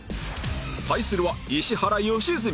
対するは石原良純